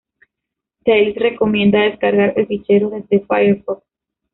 Tails recomienda descargar el fichero desde Firefox